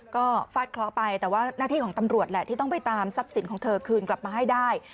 ก็ฟาดเคราะห์ไปแต่ว่าหน้าที่ของตำรวจแหละที่ต้องไปตามทรัพย์สินของเธอคืนกลับมาให้ได้